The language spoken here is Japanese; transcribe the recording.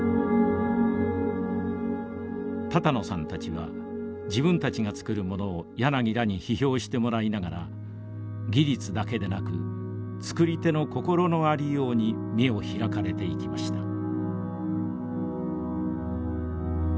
多々納さんたちは自分たちが作るものを柳らに批評してもらいながら技術だけでなく作り手の心のありように目を開かれていきました。